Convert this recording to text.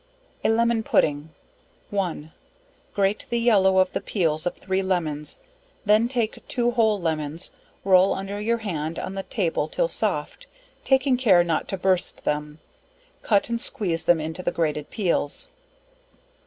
A Lemon Pudding. 1. Grate the yellow of the peals of three lemons, then take two whole lemons, roll under your hand on the table till soft, taking care not to burst them, cut and squeeze them into the grated peals.